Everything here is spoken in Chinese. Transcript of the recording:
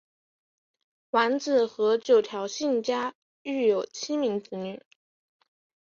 完子和九条幸家育有七名子女。